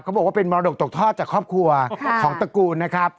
บอกว่าเป็นมรดกตกทอดจากครอบครัวของตระกูลนะครับ